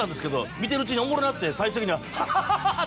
見てるうちにおもろなって最終的には。